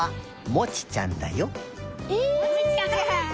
モチちゃん。